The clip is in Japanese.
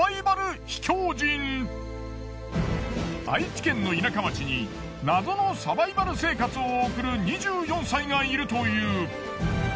愛知県の田舎町に謎のサバイバル生活を送る２４歳がいるという。